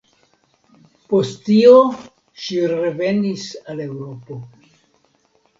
Post tio ŝi revenis al Eŭropo.